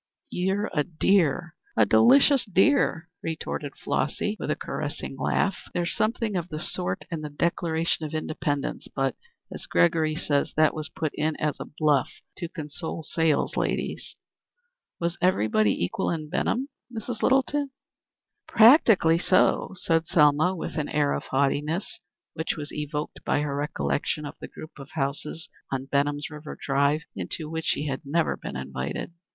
"You're a dear a delicious dear," retorted Flossy, with a caressing laugh. "There's something of the sort in the Declaration of Independence, but, as Gregory says, that was put in as a bluff to console salesladies. Was everybody equal in Benham, Mrs. Littleton?" "Practically so," said Selma, with an air of haughtiness, which was evoked by her recollection of the group of houses on Benham's River Drive into which she had never been invited.